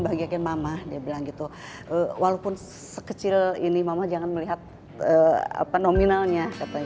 bahagiakan mama dia bilang gitu walaupun sekecil ini mama jangan melihat apa nominalnya katanya